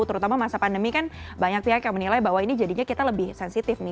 terutama masa pandemi kan banyak pihak yang menilai bahwa ini jadinya kita lebih sensitif nih